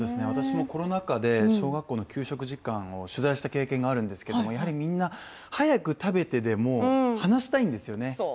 私もコロナ禍で小学校の給食時間を取材したことがあるんですけどやはりみんな、早く食べてでも話したいんですよね。